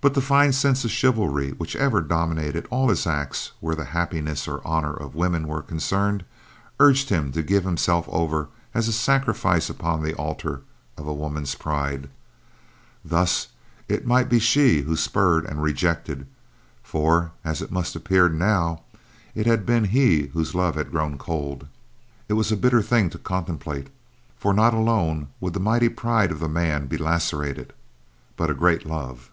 But the fine sense of chivalry which ever dominated all his acts where the happiness or honor of women were concerned urged him to give himself over as a sacrifice upon the altar of a woman's pride, that it might be she who spurned and rejected; for, as it must appear now, it had been he whose love had grown cold. It was a bitter thing to contemplate, for not alone would the mighty pride of the man be lacerated, but a great love.